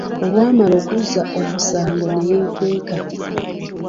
Olwamala okuzza omusango ne yeekweka.